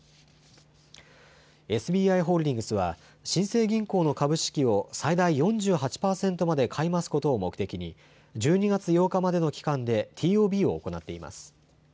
ＳＢＩホールディングスは新生銀行の株式を最大４８％まで買い増すことを目的に１２月８日までの期間でＴＯＢを行っています。